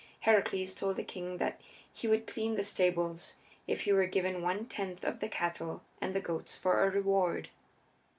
Heracles told the king that he would clean the stables if he were given one tenth of the cattle and the goats for a reward.